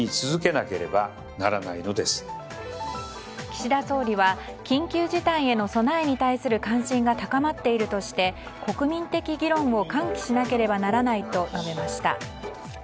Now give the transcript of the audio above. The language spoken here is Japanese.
岸田総理は緊急事態への備えに対する関心が高まっているとして国民的議論を喚起しなければならないと述べました。